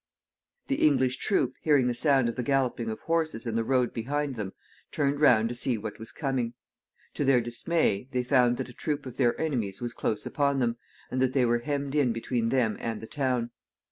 The English troop, hearing the sound of the galloping of horses in the road behind them, turned round to see what was coming. To their dismay, they found that a troop of their enemies was close upon them, and that they were hemmed in between them and the town.